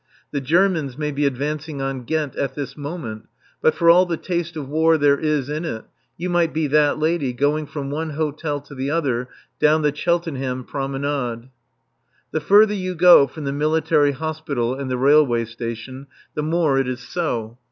The Germans may be advancing on Ghent at this moment, but for all the taste of war there is in it, you might be that lady, going from one hotel to the other, down the Cheltenham Promenade. The further you go from the Military Hospital and the Railway Station the more it is so.